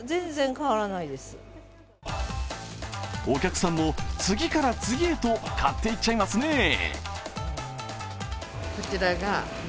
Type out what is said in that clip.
お客さんも次から次へと買っていっちゃいますね。